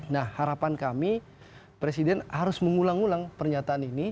nah harapan kami presiden harus mengulang ulang pernyataan ini